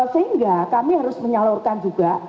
sehingga kami harus menyalurkan juga